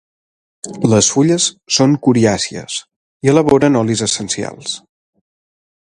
Les fulles són coriàcies i elaboren olis essencials.